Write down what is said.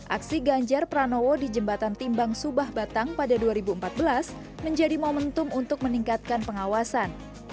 aksi ganjar pranowo di jembatan timbang subah batang pada dua ribu empat belas menjadi momentum untuk meningkatkan pengawasan